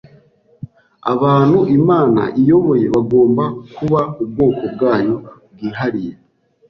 Abantu Imana iyoboye bagomba kuba ubwoko bwayo bwihariye.